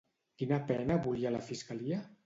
Quina pena volia la fiscalia?